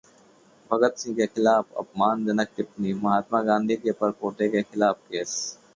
भगत सिंह के खिलाफ अपमानजनक टिप्पणी, महात्मा गांधी के पड़पोते के खिलाफ केस